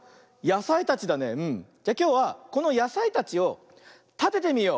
じゃきょうはこのやさいたちをたててみよう。